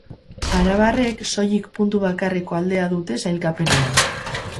Arabarrek soilik puntu bakarreko aldea dute sailkapenean.